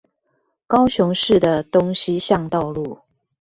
高雄市的東西向道路